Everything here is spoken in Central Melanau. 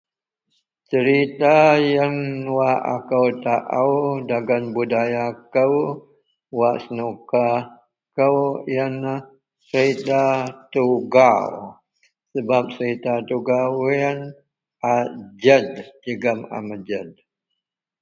Cerita yian wak aku tau dagen budaya kou wak senuka kou yian cerita tugau sebab cerita tugau yian a jed jegam a mejed.